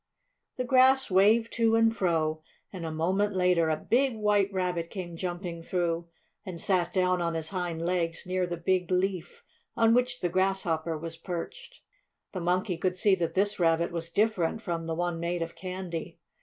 The grass waved to and fro, and a moment later a big, white rabbit came jumping through, and sat down on his hind legs near the big leaf on which the Grasshopper was perched. The Monkey could see that this rabbit was different from the one made of candy.